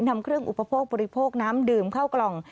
นำเครื่องอุปโภคบริโภคน้ำดื่มเข้ากล่อง